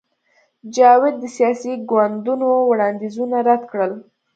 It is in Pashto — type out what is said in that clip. جاوید د سیاسي ګوندونو وړاندیزونه رد کړل